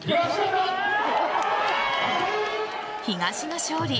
東が勝利。